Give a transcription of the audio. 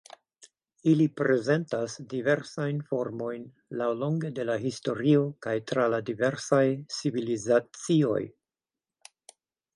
Ili prezentas diversajn formojn laŭlonge de la historio kaj tra la diversaj civilizacioj.